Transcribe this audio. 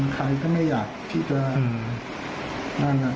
ใครก็ไม่อยากที่จะ